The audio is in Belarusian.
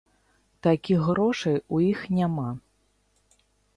Такіх грошай у іх няма.